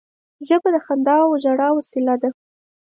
ژبه د خندا او ژړا وسیله ده